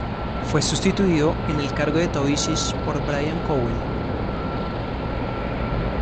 Fue sustituido en el cargo de Taoiseach por Brian Cowen.